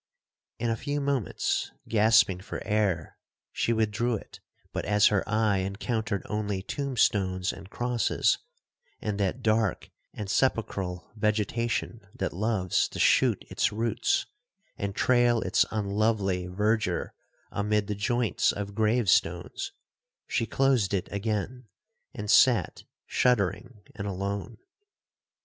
In a few moments, gasping for air, she withdrew it; but as her eye encountered only tomb stones and crosses, and that dark and sepulchral vegetation that loves to shoot its roots, and trail its unlovely verdure amid the joints of grave stones, she closed it again, and sat shuddering and alone.